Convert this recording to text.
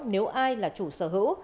nếu ai là chủ sở hữu